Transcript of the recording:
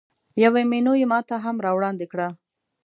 یوه مینو یې ماته هم راوړاندې کړه.